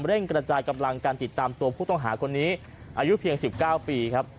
กระจายกำลังการติดตามตัวผู้ต้องหาคนนี้อายุเพียง๑๙ปีครับ